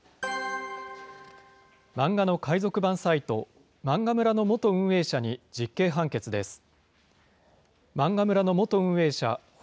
漫画の海賊版サイト、漫画村の元運営者に実刑判決です。